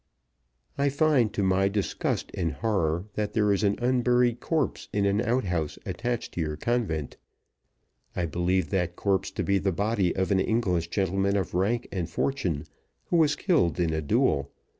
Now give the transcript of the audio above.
"I find, to my disgust and horror, that there is an unburied corpse in an outhouse attached to your convent. I believe that corpse to be the body of an English gentleman of rank and fortune, who was killed in a duel.